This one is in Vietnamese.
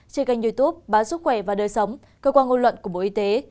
trên kênh youtube báo sức khỏe và đời sống cơ quan ngôn luận của bộ y tế